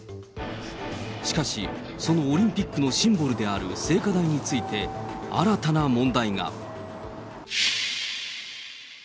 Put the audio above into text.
しかし、そのオリンピックのシンボルである聖火台について、新たな問題が。